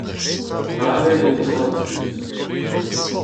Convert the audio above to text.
Tavet eo kan ar skluz.